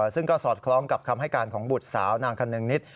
ซึ่งก็สอดคล้องกับคำให้การของบุตรสาวนางคนนึงนิด